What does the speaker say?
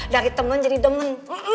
dari temenan jadi demen